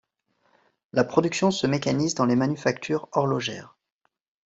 La production se mécanise dans les manufactures horlogères.